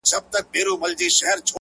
له غمه هېر يم د بلا په حافظه کي نه يم _